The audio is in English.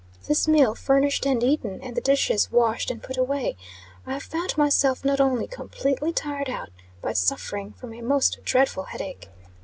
This meal furnished and eaten, and the dishes washed and put away, I found myself not only completely tired out, but suffering from a most dreadful headache.